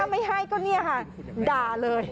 ไม่ให้ก็เนี่ยค่ะด่าเลย